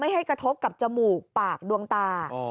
ให้กระทบกับจมูกปากดวงตา